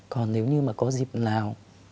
còn nếu như mà có dịp nào